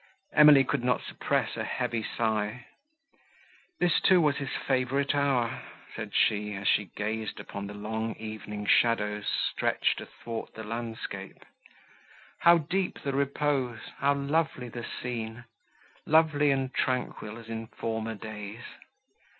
Emily could not suppress a heavy sigh. "This, too, was his favourite hour," said she, as she gazed upon the long evening shadows, stretched athwart the landscape. "How deep the repose, how lovely the scene! lovely and tranquil as in former days!"